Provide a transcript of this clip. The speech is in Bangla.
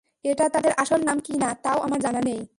এটা তাঁদের আসল নাম কি না, তাও আমার জানা নেই।